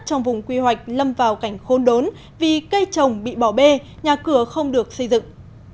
trong vùng quy hoạch lâm vào cảnh khôn đốn vì cây trồng bị bỏ bê nhà cửa không được xây dựng